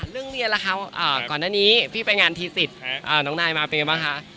เรื่องเรียนล่ะคะก่อนหน้านี้พี่ไปงานทีสิทธิ์น้องนายมาเป็นไงบ้างคะ